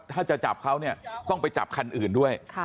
ถ้าจะจับเขาเนี่ยต้องไปจับคันอื่นด้วย